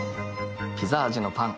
ピザ味のパン